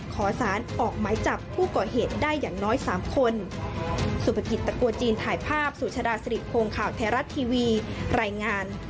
ขอสารออกหมายจับผู้ก่อเหตุได้อย่างน้อย๓คน